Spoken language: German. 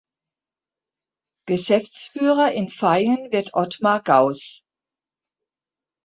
Geschäftsführer in Vaihingen wird Ottmar Gauß.